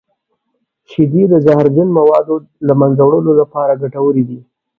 شیدې د زهرجن موادو د له منځه وړلو لپاره ګټورې دي.